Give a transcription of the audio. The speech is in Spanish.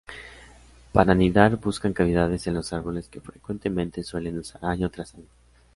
Para anidar buscan cavidades en los árboles que frecuentemente suelen usar año tras año.